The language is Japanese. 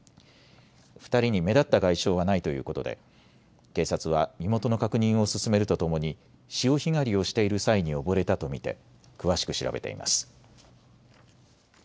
２人に目立った外傷はないということで警察は身元の確認を進めるとともに潮干狩りをしている際に溺れたと見て詳しく調べています。